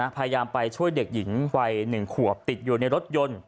พยายามไปช่วยเด็กหญิงวัย๑ขวบติดอยู่ในรถยนต์